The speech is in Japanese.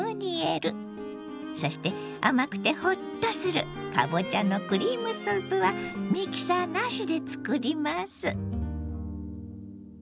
そして甘くてホッとするかぼちゃのクリームスープはミキサーなしで作ります！